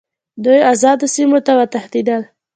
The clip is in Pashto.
دوی آزادو سیمو ته وتښتېدل.